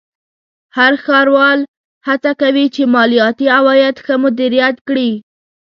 هر ښاروال هڅه کوي چې مالیاتي عواید ښه مدیریت کړي.